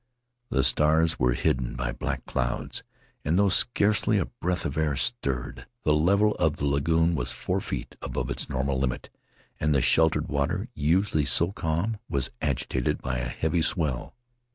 The stars were hidden by black clouds, and though scarcely a breath of air stirred, the level of the lagoon was four feet above its normal limit, and the sheltered water, usually so calm, was agitated by a heavy swell.